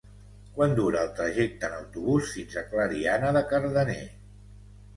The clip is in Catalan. Quant dura el trajecte en autobús fins a Clariana de Cardener?